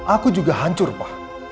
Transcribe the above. aku juga hancur pak